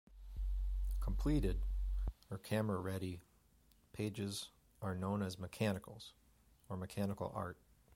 Completed, or camera-ready, pages are known as mechanicals or mechanical art.